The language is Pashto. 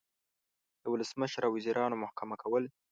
د ولسمشر او وزیرانو محکمه کول